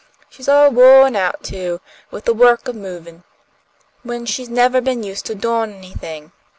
She's all wo'n out, too, with the work of movin', when she's nevah been used to doin' anything.